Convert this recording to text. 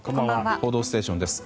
「報道ステーション」です。